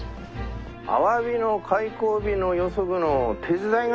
アワビの開口日の予測の手伝いがしてえ？